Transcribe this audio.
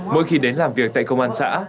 mỗi khi đến làm việc tại công an xã